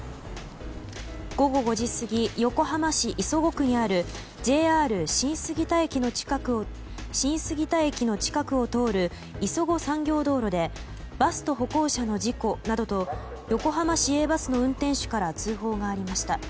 午後５時過ぎ横浜市磯子区にあるＪＲ新杉田駅の近くを通る磯子産業道路でバスと歩行者の事故などと横浜市営バスの運転手から通報がありました。